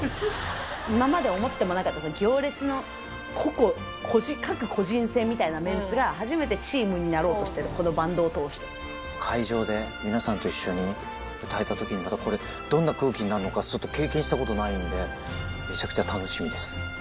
今まで思ってもなかった、行列の個々、各個人戦みたいなメンツが、初めてチームになろうとしてる、会場で皆さんと一緒に歌えたときに、またこれ、どんな空気になるのか、ちょっと経験したことないので、めちゃくちゃ楽しみです。